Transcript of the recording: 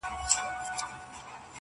اوس به دې خپل وي آینده به ستا وي٫